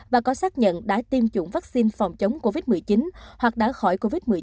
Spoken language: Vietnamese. và có xác nhận đã tiêm chủng vaccine phòng chống covid một mươi chín hoặc đã khỏi covid một mươi chín